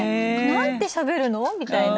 「何てしゃべるの？」みたいな。